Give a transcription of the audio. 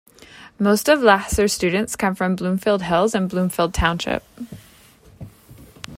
Most of Lahser's students come from Bloomfield Hills and Bloomfield Township.